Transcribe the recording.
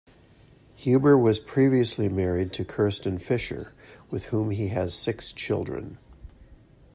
Huber was previously married to Kirsten Fischer, with whom he has six children.